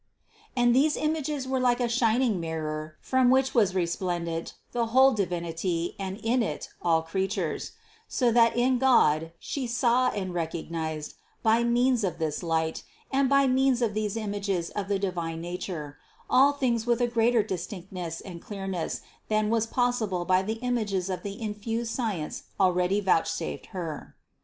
And these images were like a shining mirror from which was resplendent the whole Divinity and in It all creatures ; so that in God She saw and recognized, by means of this light and by means of these images of the divine nature, all things with a greater distinctness and clearness than was pos sible by the images of the infused science already vouch safed Her.